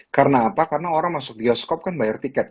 karena apa karena orang masuk bioskop kan bayar tiket